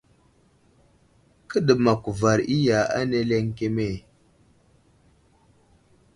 Kəɗəmak kuvar iya ane ləŋkeme ?